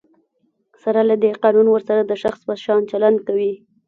سره له دی، قانون ورسره د شخص په شان چلند کوي.